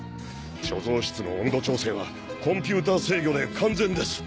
貯蔵室の温度調整はコンピュータ制御で完全です。